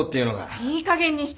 いいかげんにして。